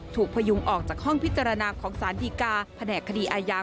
พยุงออกจากห้องพิจารณาของสารดีกาแผนกคดีอาญา